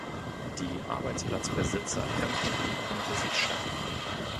Die Arbeitsplatzbesitzer kämpfen um ihren Besitzstand.